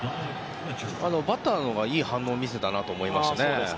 バッターのほうがいい反応を見せたなと思いましたね。